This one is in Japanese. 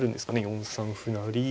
４三歩成。